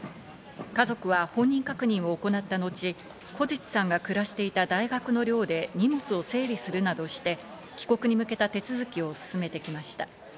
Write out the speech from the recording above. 家族は本人確認を行った後、小槌さんが暮らしていた大学の寮で荷物を整理するなどして、帰国に向けた手続きを進めてきました。